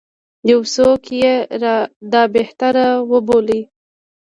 یو څوک یې دا بهتر وبولي.